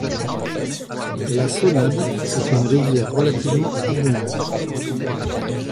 La Saunade est une rivière relativement abondante.